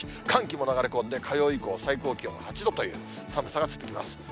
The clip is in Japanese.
寒気も流れ込んで、火曜以降、最高気温８度という寒さが続きます。